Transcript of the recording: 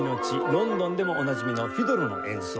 ロンドンでもおなじみのフィドルの演奏。